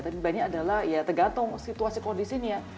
tapi berannya adalah ya tergantung situasi kondisinya